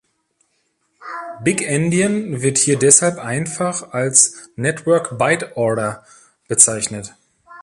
Big Endian wird hier deshalb einfach als "Network Byte Order" bezeichnet.